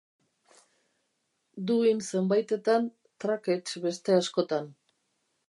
Duin zenbaitetan, trakets beste askotan.